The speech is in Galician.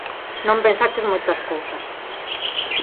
Non pensaches moitas cousas.